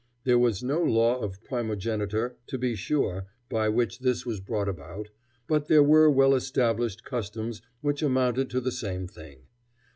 There was no law of primogeniture to be sure by which this was brought about, but there were well established customs which amounted to the same thing.